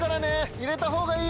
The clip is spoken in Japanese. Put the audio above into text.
入れたほうがいい！